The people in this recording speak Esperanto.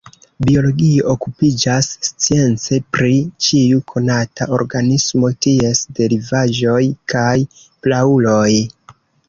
Biologio okupiĝas science pri ĉiu konata organismo, ties derivaĵoj kaj prauloj.